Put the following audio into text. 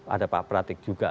ada pak pratik juga